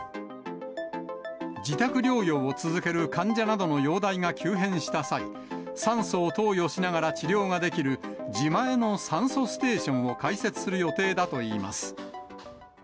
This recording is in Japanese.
自宅療養を続ける患者などの容体が急変した際、酸素を投与しながら治療ができる、自前の酸素ステーションを開設する予定だといいます。